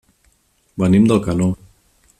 Venim d'Alcanó.